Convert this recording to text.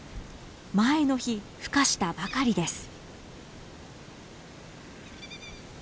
前の日ふ化したばかりです。